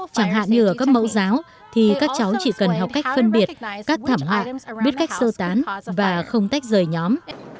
chẳng hạn như ở các mẫu giáo thì các cháu chỉ cần học cách phân biệt các thảm họa biết cách sơ tán và không tách rời nhóm